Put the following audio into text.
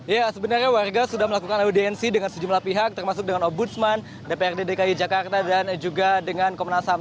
ya sebenarnya warga sudah melakukan audiensi dengan sejumlah pihak termasuk dengan ombudsman dprd dki jakarta dan juga dengan komnas ham